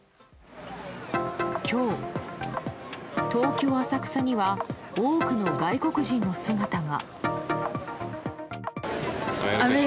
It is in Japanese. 今日、東京・浅草には多くの外国人の姿が。